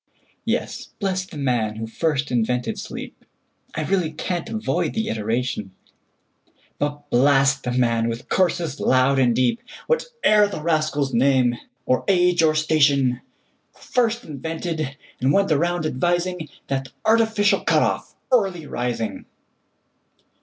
Yes; bless the man who first invented sleep(I really can't avoid the iteration),But blast the man, with curses loud and deep, Whate'er the rascal's name, or age, or station, Who first invented, and went round advising, That artificial cut off, Early Rising!